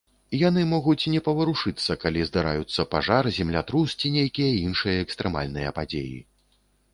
Яны могуць не паварушыцца, калі здараюцца пажар, землятрус ці нейкія іншыя экстрэмальныя падзеі.